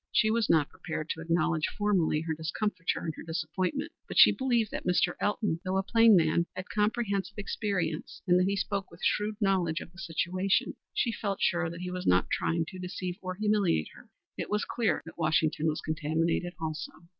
She was not prepared to acknowledge formally her discomfiture and her disappointment. But she believed that Mr. Elton, though a plain man, had comprehensive experience and that he spoke with shrewd knowledge of the situation. She felt sure that he was not trying to deceive or humiliate her. It was clear that Washington was contaminated also.